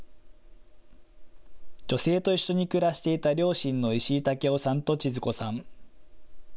女性と一緒に暮らしていた両親の石井武夫さんと千津子さん。